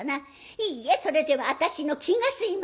「いいえそれでは私の気が済みません。